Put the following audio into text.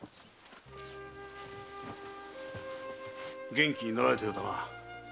元気になられたようだな。